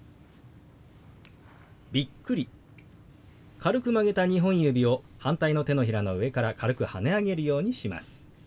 軽く曲げた２本指を反対の手のひらの上から軽くはね上げるようにします。